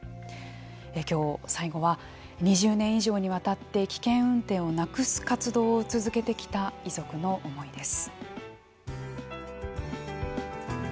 今日最後は２０年以上にわたって危険運転をなくす活動を続けてきた遺族の思いです。